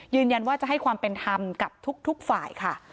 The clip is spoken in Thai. ยืนยันว่าจะให้ความเป็นธรรมกับทุกฝ่ายค่ะ